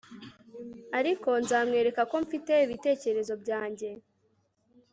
ariko nzamwereka ko mfite ibitekerezo byanjye